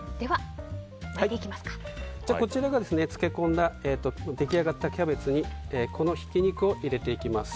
こちらが漬け込んで出来上がったキャベツにこのひき肉を入れていきます。